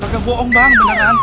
kagak bohong bang beneran